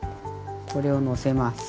これをのせます。